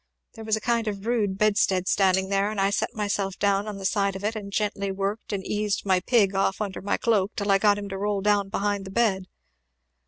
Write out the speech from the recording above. There was a kind of a rude bedstead standing there; and I set myself down upon the side of it, and gently worked and eased my pig off under my cloak till I got him to roll down behind the bed.